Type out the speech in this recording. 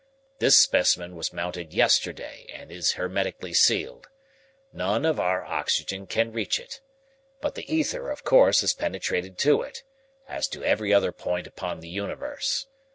This specimen was mounted yesterday and is hermetically sealed. None of our oxygen can reach it. But the ether, of course, has penetrated to it, as to every other point upon the universe.